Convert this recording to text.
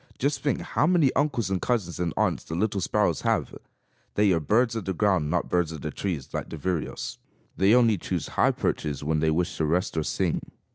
Just think how many uncles and cousins and aunts the little sparrows have! They are birds of the ground, not birds of the trees, like the vireos. They only choose high perches when they wish to rest or sing.